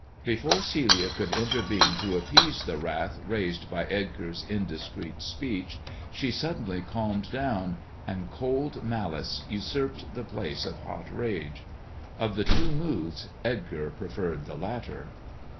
Before Celia could intervene to appease the wrath raised by Edgar's indiscreet speech, she suddenly calmed down, and cold malice usurped the place of hot rage. Of the two moods Edgar preferred the latter.